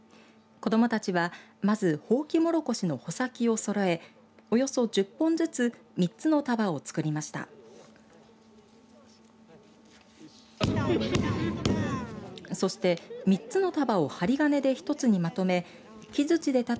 子どもたちは、まずホウキモロコシの穂先をそろえおよそ１０本ずつ３つの束を作りました。